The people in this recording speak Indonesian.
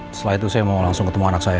setelah itu saya mau langsung ketemu anak saya